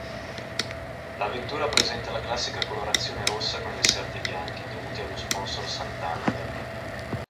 La vettura presenta la classica colorazione rossa con inserti bianchi, dovuti allo sponsor Santander.